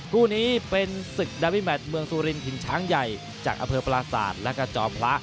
กู้นี้เป็นศึกดับปิมัติเมืองซูรินถิ่นช้างใหญ่จากอเภอปราสาทและก็จอมพระ